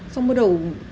xong bắt đầu